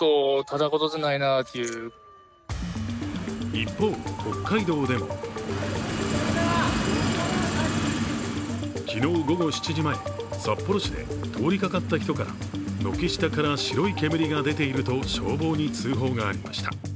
一方、北海道でも昨日午後７時前、札幌市で通りかかった人から軒下から白い煙が出ていると消防に通報がありました。